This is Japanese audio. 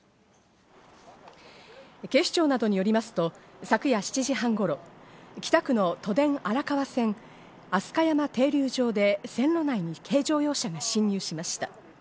警視庁などによりますと、昨夜７時半頃、北区の都電荒川線、飛鳥山停留場で線路内に軽乗用車が侵入しました。